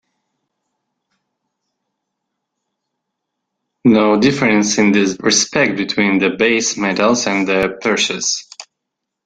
No difference in this respect between the base metals and the precious.